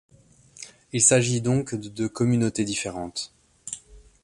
Il s'agit donc de deux communautés différentes.